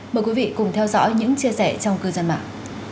mời quý vị cùng theo dõi những chia sẻ trong cư dân mạng